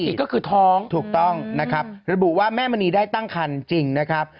อีกก็คือท้องถูกต้องนะครับระบุว่าแม่มณีได้ตั้งคันจริงนะครับ